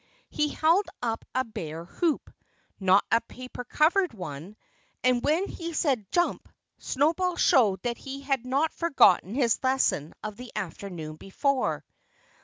He held up a bare hoop not a paper covered one and when he said, "Jump!" Snowball showed that he had not forgotten his lesson of the afternoon before.